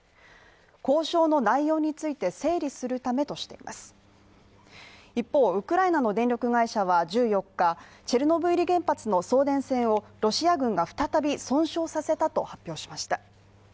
交渉の内容について整理するためとしています一方、ウクライナの電力会社は１４日、チェルノブイリ原発の送電線をロシア軍が再び損傷させたと発表しました。